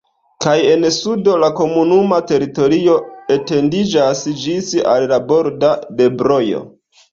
Kaj en sudo la komunuma teritorio etendiĝas ĝis al la bordo de Brojo.